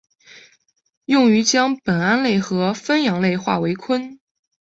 用于将苯胺类和酚氧化为醌。